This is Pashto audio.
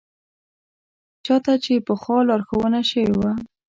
چا ته چې پخوا لارښوونه شوې وه.